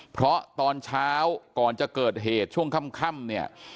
เพราะว่าตอนเช้าก่อนจะเกิดช่วงคร่ำนี่